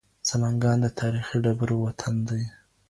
سمنګان د تاريخي ډبرو وطن دی.